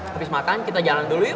habis makan kita jalan dulu yuk